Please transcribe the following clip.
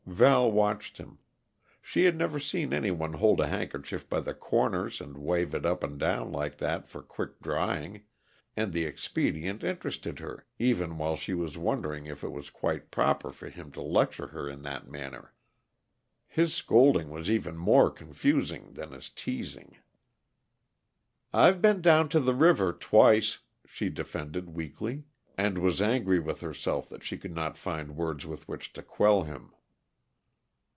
Val watched him; she had never seen any one hold a handkerchief by the corners and wave it up and down like that for quick drying, and the expedient interested her, even while she was wondering if it was quite proper for him to lecture her in that manner. His scolding was even more confusing than his teasing. "I've been down to the river twice," she defended weakly, and was angry with herself that she could not find words with which to quell him.